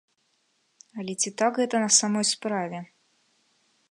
Але ці так гэта на самой справе?